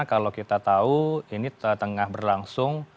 kalau kita tahu ini tengah berlangsung